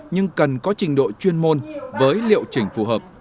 nhưng cần có trình độ chuyên môn với liệu trình phù hợp